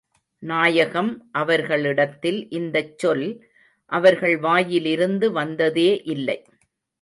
நாயகம் அவர்களிடத்தில் இந்தச் சொல், அவர்கள் வாயிலிருந்து வந்ததே இல்லை.